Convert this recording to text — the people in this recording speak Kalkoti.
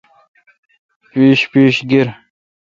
پیݭ پیݭ گیر۔